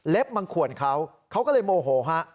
มาขวนเขาเขาก็เลยโมโหฮะ